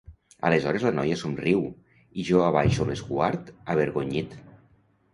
Aleshores la noia somriu i jo abaixo l'esguard avergonyit.